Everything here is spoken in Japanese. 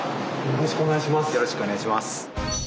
よろしくお願いします。